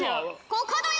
コカドよ